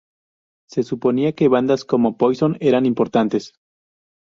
Se suponía que bandas como Poison eran importantes.